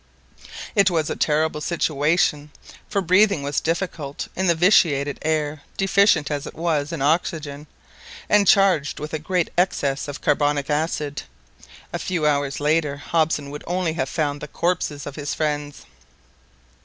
It was a terrible situation, for breathing was difficult in the vitiated air deficient as it was in oxygen, and charged with a great excess of carbonic acid.... A few hours later Hobson would only have found the corpses of his friends!